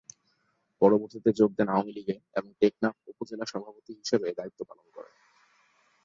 পরবর্তীতে যোগ দেন আওয়ামী লীগে এবং টেকনাফ উপজেলা সভাপতি হিসেবে দায়িত্ব পালন করেন।